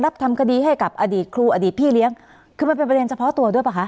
ทำคดีให้กับอดีตครูอดีตพี่เลี้ยงคือมันเป็นประเด็นเฉพาะตัวด้วยป่ะคะ